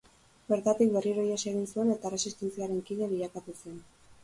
Bertatik, berriro ihes egin zuen eta Erresistentziaren kide bilakatu zen.